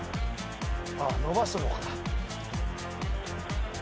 あっ伸ばすのか。